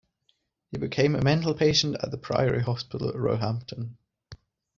He became a mental patient at the Priory Hospital, Roehampton.